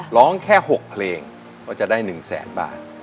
ร้องแค่หกเพลงก็จะได้หนึ่งแสนบาท